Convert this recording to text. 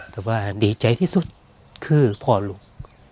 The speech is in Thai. แต่ว่าดีใจที่สุดคือพ่อลูก